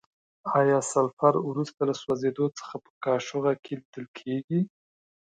آیا سلفر وروسته له سوځیدو څخه په قاشوغه کې لیدل کیږي؟